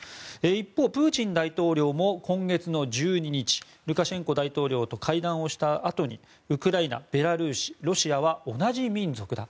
一方、プーチン大統領も今月１２日ルカシェンコ大統領と会談をしたあとにウクライナ、ベラルーシロシアは同じ民族だ。